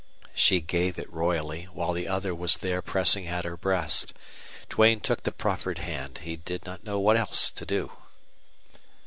She gave it royally, while the other was there pressing at her breast. Duane took the proffered hand. He did not know what else to do.